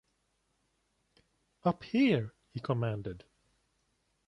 "Up here," he commanded.